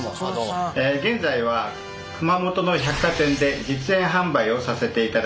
現在は熊本の百貨店で実演販売をさせていただいています。